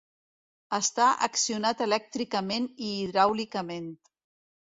Està accionat elèctricament i hidràulicament.